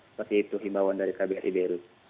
seperti itu himbauan dari kbri beirut